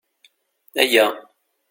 Ayya!